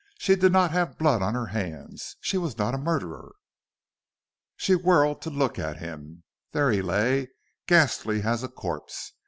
She did not have blood on her hands. She was not a murderer. She whirled to look at him. There he lay, ghastly as a corpse.